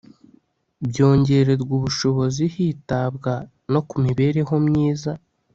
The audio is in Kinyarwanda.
byongererwa ubushobozi hitabwa no ku mibereho myiza